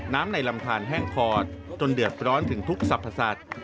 ในลำทานแห้งพอดจนเดือดร้อนถึงทุกสรรพสัตว์